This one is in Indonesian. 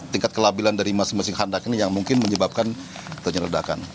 tingkat kelabilan dari masing masing handak ini yang mungkin menyebabkan terjadi ledakan